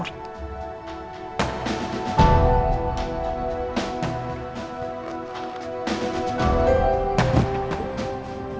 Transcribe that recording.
foto yang jadikan pakaian tidur warna merah